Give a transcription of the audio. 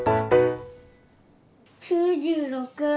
９６。